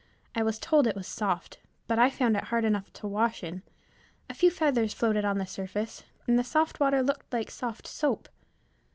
I was told it was soft, but I found it hard enough to wash in. A few feathers floated on the surface, and the soft water looked like soft soap.